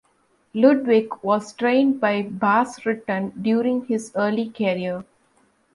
Ludwig was trained by Bas Rutten during his early career.